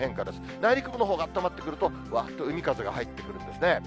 内陸部のほうがあったまってくると、に南風が入ってくるんですね。